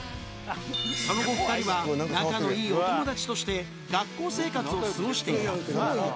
その後、２人は仲のいいお友達として学校生活を過ごしていた。